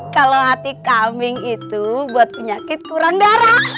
kalau hati kambing itu buat penyakit kurang darah